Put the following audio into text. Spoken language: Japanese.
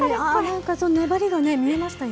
なんか粘りが見えましたよ。